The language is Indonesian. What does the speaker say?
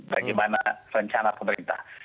bagaimana rencana pemerintah